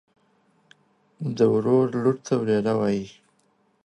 ورور لور ته وريره وايي.